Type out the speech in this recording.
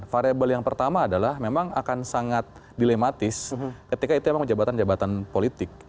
variable yang pertama adalah memang akan sangat dilematis ketika itu memang jabatan jabatan politik